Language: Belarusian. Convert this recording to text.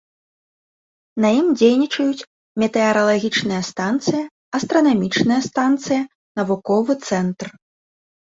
На ім дзейнічаюць метэаралагічная станцыя, астранамічная станцыя, навуковы цэнтр.